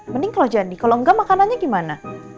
mending kalo jadi kalo engga makanannya gimana